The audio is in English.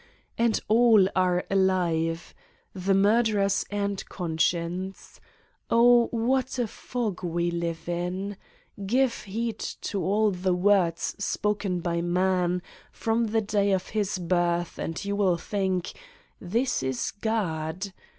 And all are alive: the murderers and conscience. Oh, what a fog we live in! Give heed to all the words spoken by man from the day of his birth and you will think: this is God!